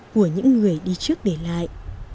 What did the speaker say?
của những người đi trước để lại